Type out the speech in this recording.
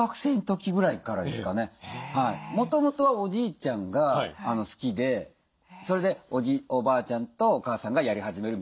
もともとはおじいちゃんが好きでそれでおばあちゃんとお母さんがやり始める。